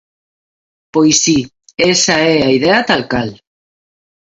Pois si, esa é a idea tal cal.